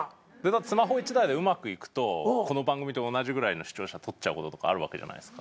スマホ１台でうまくいくとこの番組と同じぐらいの視聴者取っちゃうこととかあるわけじゃないですか。